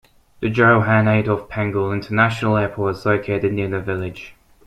The Johan Adolf Pengel International Airport is located near the village.